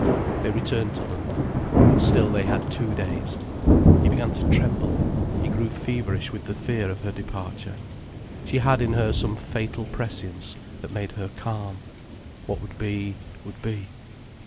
They returned to London. But still they had two days. He began to tremble, he grew feverish with the fear of her departure. She had in her some fatal prescience, that made her calm. What would be, would be.